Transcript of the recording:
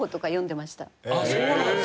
そうなんですか？